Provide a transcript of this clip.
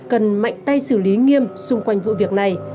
cần mạnh tay xử lý nghiêm xung quanh vụ việc này